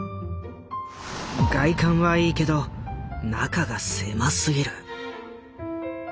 「外観はいいけど中が狭すぎる」。